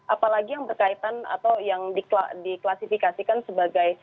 apalagi yang berkaitan atau yang diklasifikasikan sebagai